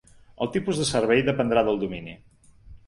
El tipus de servei dependrà del domini.